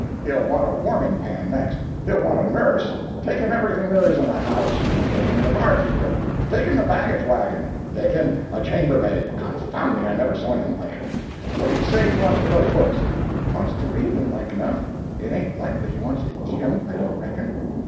He'll want a warming pan, next—he'll want a nurse. Take him everything there is in the house—take him the barkeeper—take him the baggage wagon—take him a chamber maid! Confound me, I never saw anything like it. What did he say he wants with those books?" "Wants to read 'em, like enough; it ain't likely he wants to eat 'em, I don't reckon."